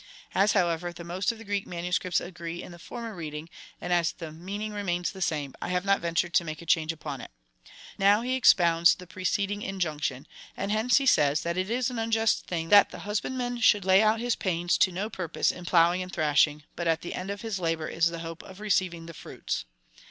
As, however, the most of the Greek manuscripts agree in the former reading, and as the meaning remains the same, I have not ventured to make a change ujDon it. Now he expounds the preceding injunction, and hence he says, that it is an unjust thing that the hus bandman should lay out his pains to no purpose in jDlowing and thrashing, but that the end of his labour is the hope of receiving the fruits.